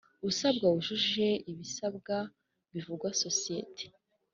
Usaba wujuje ibisabwa bivuga sosiyete